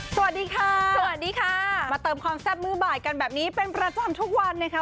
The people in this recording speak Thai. สวัสดีค่ะสวัสดีค่ะมาเติมความแซ่บมือบ่ายกันแบบนี้เป็นประจำทุกวันนะคะ